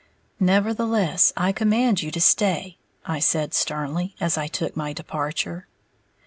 "Nevertheless, I command you to stay," I said sternly, as I took my departure.